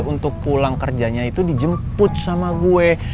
untuk pulang kerjanya itu dijemput sama gue